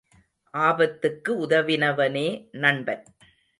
ஆபத்துக்கு உதவினவனே நண்பன்.